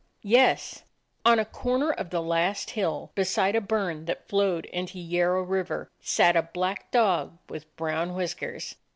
Yes. On a corner of the last hill, beside a burn that flowed into Yarrow Water, sat a black dog with brown whiskers.